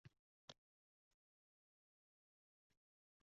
Kim biladi deysiz, Zumrad ham shuning havosini oldimi?